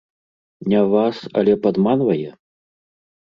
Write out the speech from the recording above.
Не вас, але падманвае?